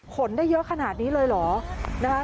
ขนได้เยอะขนาดนี้เลยหรือ